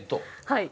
はい。